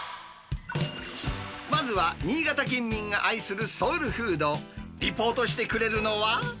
まずは新潟県民が愛するソウルフード、リポートしてくれるのは。